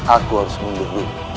aku harus mundur dulu